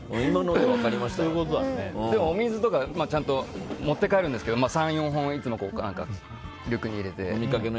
でも、お水とかちゃんと持って帰りますけど３４本をリュックに入れて。